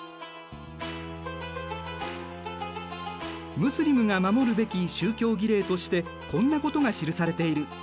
ムスリムが守るべき宗教儀礼としてこんなことが記されている。